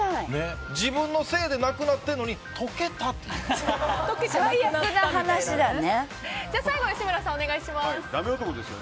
自分のせいでなくなってるのに溶けたっていうんですよ。